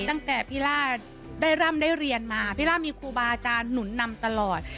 ตั้งแต่พี่ล่านได้เรียนมาพี่ล่ามีครูวาฏานุนนำตลอด